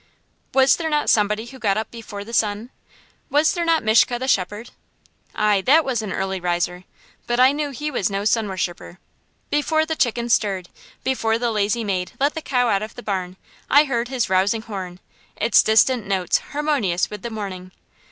Was there not somebody who got up before the sun? Was there not Mishka the shepherd? Aye, that was an early riser; but I knew he was no sun worshipper. Before the chickens stirred, before the lazy maid let the cow out of the barn, I heard his rousing horn, its distant notes harmonious with the morning.